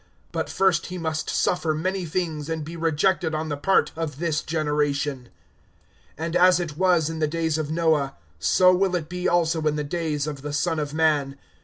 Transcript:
(25)But first he must suffer many things, and be rejected on the part of this generation. (26)And as it was in the days of Noah, so will it be also in the days of the Son of man.